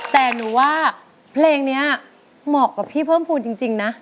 แต่หนูว่าเพลงนี้เหมาะกับพี่เพิ่มภูมิจริงนะ